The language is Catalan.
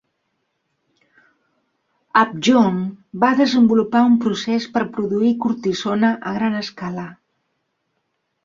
Upjohn va desenvolupar un procés per produir cortisona a gran escala.